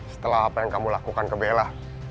setelah apa yang kamu lakukan ke bella